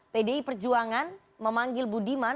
pdi perjuangan memanggil budiman